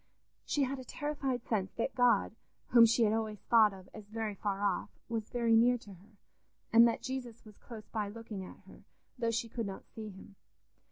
She had a terrified sense that God, whom she had always thought of as very far off, was very near to her, and that Jesus was close by looking at her, though she could not see him.